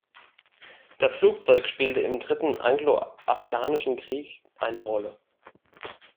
Das Flugzeug spielte im Dritten Anglo-Afghanischen Krieg eine Rolle.